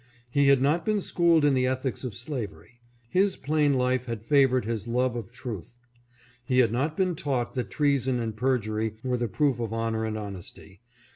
He had not been schooled in the ethics of slavery ; his plain life had favored his love of truth. He had not been taught that treason and perjury were the proof of honor and honesty.